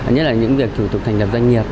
nhất là những việc thủ tục thành lập doanh nghiệp